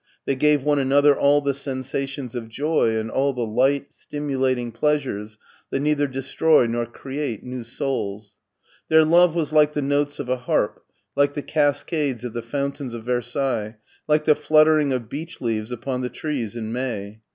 They gave one another all the sensations of joy and all the lights stimulating pleasures that neither destroy nor create new souls. Their love was like the notes of a harp, like the cascades of the fountains of Versailles, like the fluttering of beech leaves upon the trees in May.